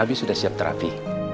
abi sudah siap terapi